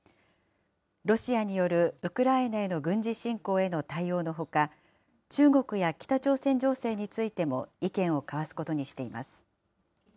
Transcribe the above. ロシアによるウクライナへの軍事侵攻への対応のほか、中国や北朝鮮情勢についても意見を交わすことにしています。